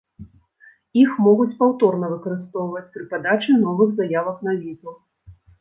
Іх могуць паўторна выкарыстоўваць пры падачы новых заявак на візу.